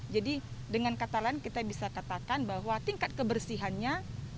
jadi dengan kata lain kita bisa katakan bahwa tingkat kebersihannya